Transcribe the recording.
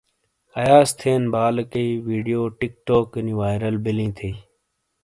ایاز تھین بالیکئی ویڈیو ٹِک ٹوکینی وائرل بیلی تھئی